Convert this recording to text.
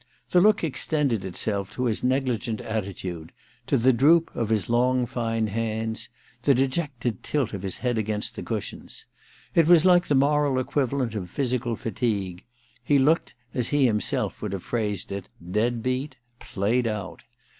The look extended itself to his negligent attitude, to the droop of his long fine hands, the dejected tilt of his head against the cushions. It was like the moral equivalent of physical fatigue : he looked, as he himself would have phrased it, dead beat, played out.